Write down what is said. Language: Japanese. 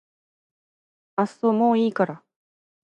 あっそもういいから